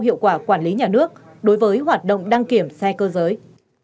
hiệu quả quản lý nhà nước đối với hoạt động đăng kiểm xe cơ giới